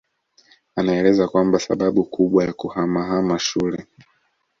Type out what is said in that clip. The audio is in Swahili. Anaeleza kwamba sababu kubwa ya kuhamahama shule